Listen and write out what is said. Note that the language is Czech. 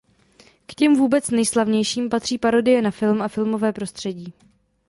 K těm vůbec nejslavnějším patří parodie na film a filmové prostředí.